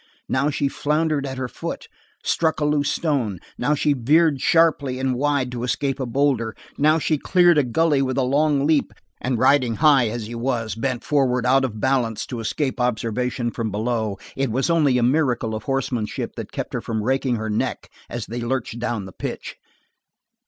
Now she floundered at her foot, struck a loose stone, now she veered sharply and wide to escape a boulder, now she cleared a gulley with a long leap, and riding high as he was, bent forward out of balance to escape observation from below. It was only a miracle of horsemanship that kept her from breaking her neck as they lurched down the pitch.